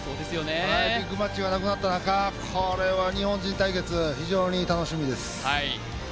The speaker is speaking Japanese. ビッグマッチがなくなった中、これは日本人対決、非常に楽しみです。